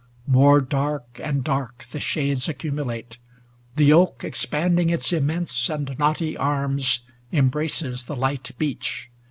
More dark And dark the shades accumulate. The oak, Expanding its immense and knotty arms, Embraces the light beech.